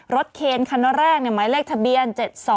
รถเคนคันแรกเนี่ยหมายเลขทะเบียน๗๒๒๕๕๐